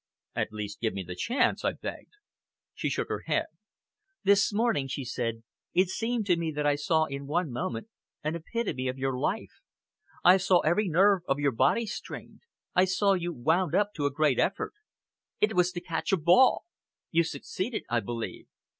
"At least give me the chance," I begged. She shook her head. "This morning," she said, "it seemed to me that I saw in one moment an epitome of your life. I saw every nerve of your body strained, I saw you wound up to a great effort. It was to catch a ball! You succeeded, I believe."